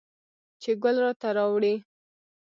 چې ګل راته راوړي